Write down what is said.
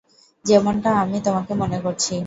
যেমটা আমি তোমাকে মনে করছি।